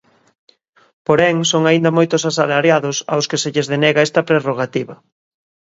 Porén, son aínda moitos os asalariados aos que se lles denega esta prerrogativa.